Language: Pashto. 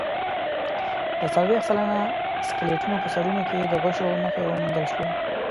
د څلوېښت سلنه سکلیټونو په سرونو کې د غشو نښې وموندل شوې.